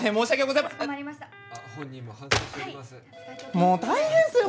もう大変っすよ